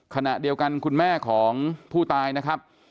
ขณะเดียวกันคุณแม่ของผู้ตายนะครับ